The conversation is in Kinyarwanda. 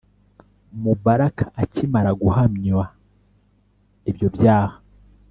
Moubarak akimara guhamywa ibyo byaha